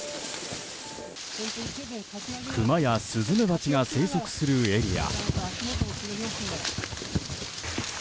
クマやスズメバチが生息するエリア。